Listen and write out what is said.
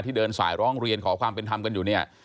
เดินสายร้องเรียนขอความเป็นธรรมกันอยู่เนี่ย